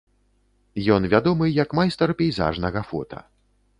Ён вядомы як майстар пейзажнага фота.